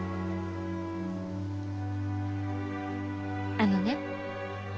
あのね